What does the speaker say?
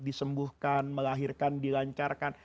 disembuhkan melahirkan dilancarkan